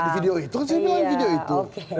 ya di video itu kan saya bilang di video itu